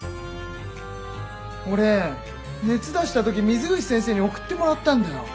俺熱出した時水口先生に送ってもらったんだよ。